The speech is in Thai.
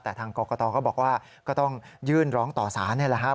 แต่ทางกรกตก็บอกว่าก็ต้องยื่นร้องต่อสารนี่แหละครับ